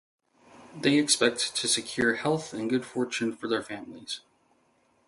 They expect to secure health and good fortune for their families.